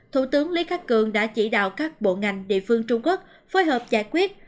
thủ tướng lý khắc cường đã chỉ đạo các bộ ngành địa phương trung quốc phối hợp giải quyết